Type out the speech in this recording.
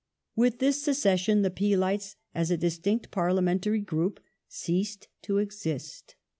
^ With this secession the Peelites as a distinct parlia l mentary group ceased to exist.